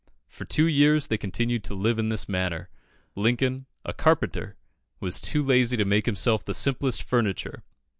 For two years they continued to live in this manner. Lincoln, a carpenter, was too lazy to make himself the simplest furniture.